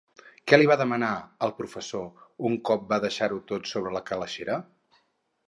Què li va demanar al professor un cop va deixar-ho tot sobre la calaixera?